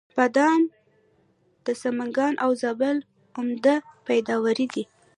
بادام د سمنګان او زابل عمده پیداوار دی.